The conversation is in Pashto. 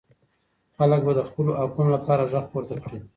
خلګ به د خپلو حقونو لپاره ږغ پورته کړي.